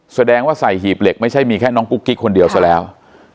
แสดงว่าใส่หีบเหล็กไม่ใช่มีแค่น้องกุ๊กกิ๊กคนเดียวซะแล้ว